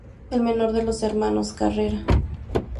El menor de los hermanos Carrera.